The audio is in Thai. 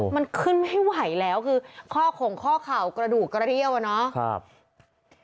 มันขึ้นไม่ไหวแล้วคือข้อขงข้อเข่ากระดูกกระเดี่ยวอ่ะเนาะ